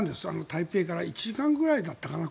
台北から１時間ぐらいだったかな。